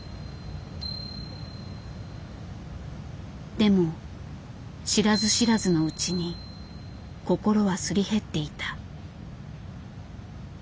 でも知らず知らずのうちに心はすり減っていた。